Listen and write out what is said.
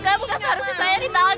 kamu kan seharusnya saya yang ditangkap